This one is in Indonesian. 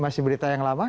oke ini berita yang lama